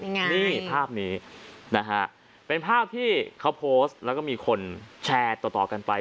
นี่ภาพนี้เป็นภาพที่เขาโพสต์แล้วก็มีคนแชร์ต่อกันไป